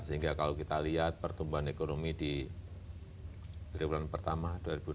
sehingga kalau kita lihat pertumbuhan ekonomi di triwulan pertama dua ribu enam belas empat sembilan puluh empat